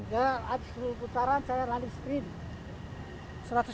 ya habis sepuluh putaran saya lari sprint